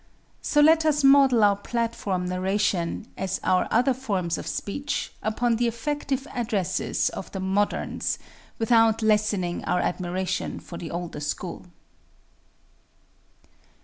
So let us model our platform narration, as our other forms of speech, upon the effective addresses of the moderns, without lessening our admiration for the older school.